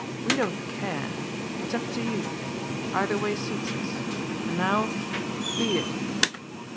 We don't care. It's up to you. Either way suits us. And now beat it!"